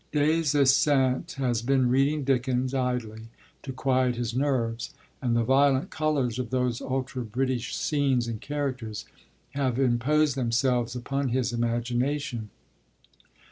Des Esseintes has been reading Dickens, idly, to quiet his nerves, and the violent colours of those ultra British scenes and characters have imposed themselves upon his imagination.